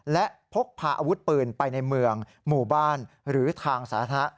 และพกพาอาวุธปืนไปในเมืองหมู่บ้านหรือทางสาธารณะ